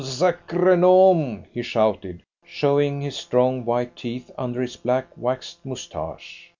S'cre nom!_" he shouted, showing his strong white teeth under his black waxed moustache.